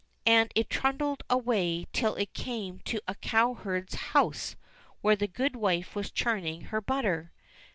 And it trundled away till it came to a cowherd's house where the goodwife was churning her butter.